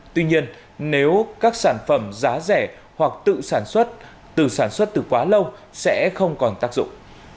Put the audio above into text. tuy nhiên nếu các sản phẩm giá rẻ hoặc tự sản xuất từ quá lâu sẽ không còn tác dụng